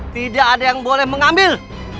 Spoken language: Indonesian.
tidak ada yang boleh mengambil